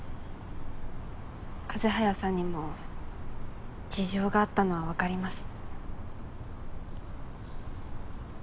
風早さんにも事情があったのはわかります。